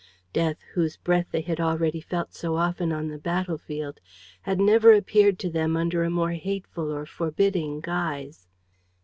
Death, whose breath they had already felt so often on the battlefield, had never appeared to them under a more hateful or forbidding guise.